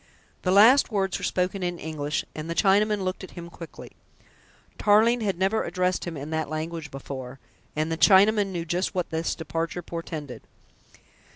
The last words were spoken in English, and the Chinaman looked at him quickly. Tarling had never addressed him in that language before, and the Chinaman knew just what this departure portended.